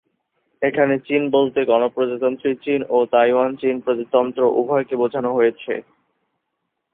এখানে চীন বলতে গণপ্রজাতন্ত্রী চীন ও তাইওয়ান চীন প্রজাতন্ত্র উভয়কে বোঝানো হয়েছে।